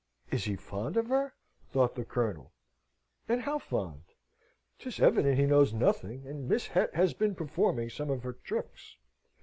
"Is he fond of her?" thought the Colonel. "And how fond? 'Tis evident he knows nothing, and Miss Het has been performing some of her tricks.